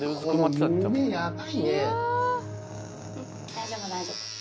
大丈夫大丈夫。